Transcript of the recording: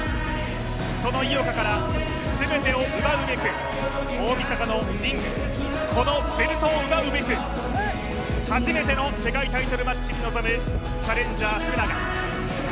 その井岡から全てを奪うべく、大みそかのリング、このベルトを奪うべく、初めての世界タイトルマッチに臨むチャレンジャー、福永。